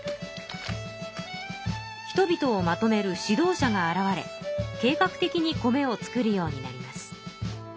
人々をまとめる指導者が現れ計画的に米を作るようになります。